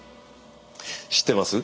知ってます？